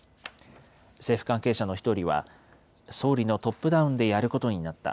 政府関係者の一人は、総理のトップダウンでやることになった。